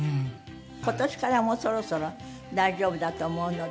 今年からもうそろそろ大丈夫だと思うので。